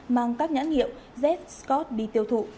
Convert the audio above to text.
mang các nhãn hiệu z scott b tiêu thụ